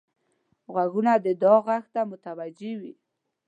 غوږونه د دعا غږ ته متوجه وي